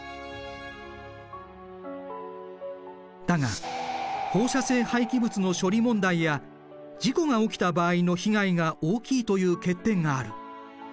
だが放射性廃棄物の処理問題や事故が起きた場合の被害が大きいという欠点がある。